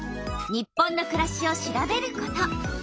「日本のくらし」を調べること。